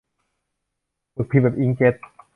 หมึกพิมพ์แบบอิงก์เจ็ต